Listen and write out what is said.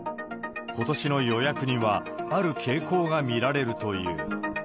ことしの予約には、ある傾向が見られるという。